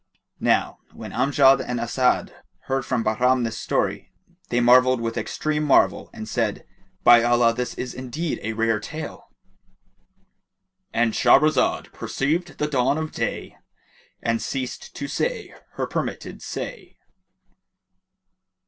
Now when Amjad and As'ad heard from Bahram this story, they marvelled with extreme marvel and said, "By Allah, this is indeed a rare tale!"—And Shahrazad perceived the dawn of day and ceased to say her permitted say.